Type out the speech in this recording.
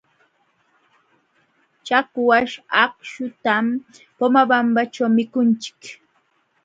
Chakwaśh akśhutam Pomabambaćhu mikunchik.